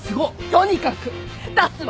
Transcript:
とにかく出すわよ！